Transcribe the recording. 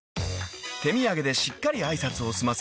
［手みやげでしっかり挨拶を済ませ